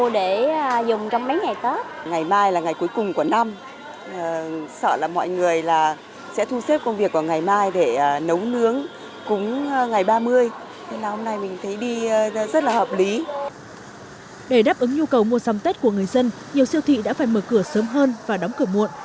để đáp ứng nhu cầu mua sắm tết của người dân nhiều siêu thị đã phải mở cửa sớm hơn và đóng cửa muộn